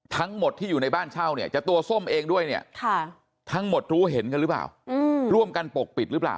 ทั้งหมดที่อยู่ในบ้านเช่าเนี่ยจะตัวส้มเองด้วยเนี่ยทั้งหมดรู้เห็นกันหรือเปล่าร่วมกันปกปิดหรือเปล่า